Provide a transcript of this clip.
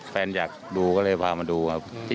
อยากดูก็เลยพามาดูครับ